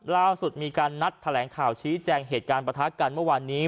ล่าสุดมีการนัดแถลงข่าวชี้แจงเหตุการณ์ประทะกันเมื่อวานนี้